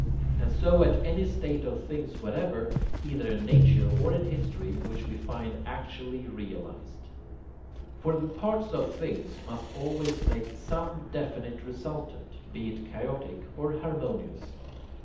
And so of any state of things whatever, either in nature or in history, which we find actually realized. For the parts of things must always make SOME definite resultant, be it chaotic or harmonious.